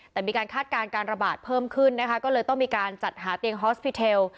แต่มีการคาดการณ์การระบาดเพิ่มขึ้นนะคะก็เลยต้องมีการจัดหาเตียงฮอสปิเทล